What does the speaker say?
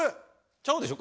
ちゃうでしょ？